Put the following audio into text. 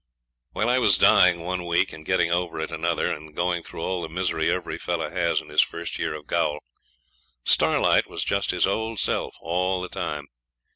While I was dying one week and getting over it another, and going through all the misery every fellow has in his first year of gaol, Starlight was just his old self all the time.